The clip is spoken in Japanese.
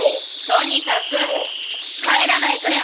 とにかく帰らないからね